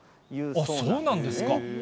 そうなんですか。